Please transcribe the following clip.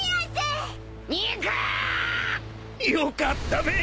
［よかったべ］